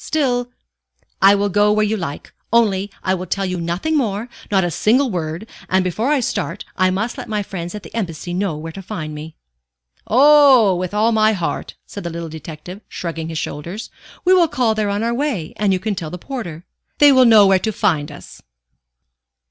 Still " "I will go where you like, only I will tell you nothing more, not a single word; and before I start, I must let my friends at the Embassy know where to find me." "Oh, with all my heart," said the little detective, shrugging his shoulders. "We will call there on our way, and you can tell the porter. They will know where to find us."